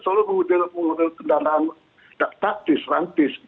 selalu mengundur undur kendaraan taktis rantis